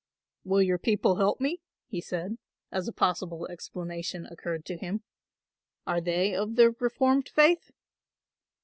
"Will your people help me?" he said, as a possible explanation occurred to him. "Are they of the reformed faith?"